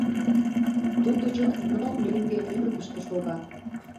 Тудыжо ныл меҥге ӧрдыжтӧ шога.